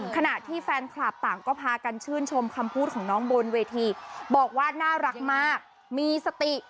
ขณะที่แฟนคลับต่างก็พากันชื่นชมคำพูดของน้องบนเวทีบอกว่าน่ารักมากมีสติ